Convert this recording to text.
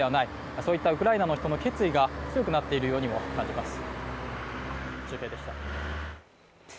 そういったウクライナの人の決意が強くなっているようにも感じます。